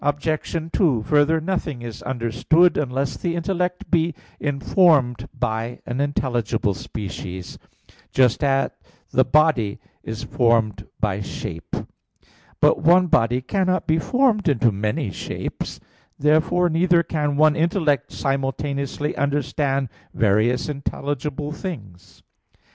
2: Further, nothing is understood unless the intellect be informed by an intelligible species; just at the body is formed by shape. But one body cannot be formed into many shapes. Therefore neither can one intellect simultaneously understand various intelligible things.